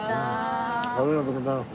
ありがとうございます。